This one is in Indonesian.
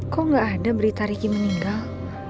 kok gak ada berita ricky meninggal